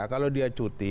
kalau dia cuti